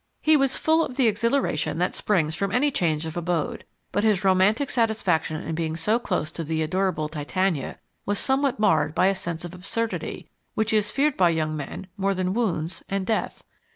He was full of the exhilaration that springs from any change of abode, but his romantic satisfaction in being so close to the adorable Titania was somewhat marred by a sense of absurdity, which is feared by young men more than wounds and death.